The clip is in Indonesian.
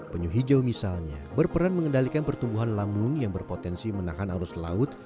penyu hijau misalnya berperan mengendalikan pertumbuhan lambung yang berpotensi menahan arus laut